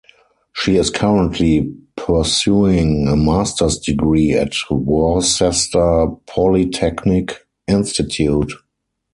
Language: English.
She is currently pursuing a master's degree at Worcester Polytechnic Institute.